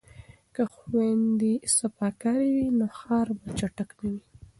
که خویندې صفاکارې وي نو ښار به چټل نه وي.